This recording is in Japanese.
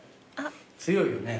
強いよね。